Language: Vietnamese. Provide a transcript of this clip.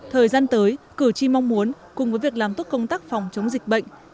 thời gian tới cử tri mong muốn cùng với việc làm tốt công tác phòng chống dịch bệnh